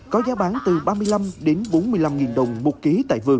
có giá bán từ ba mươi năm đến bốn mươi năm đồng một ký tại vườn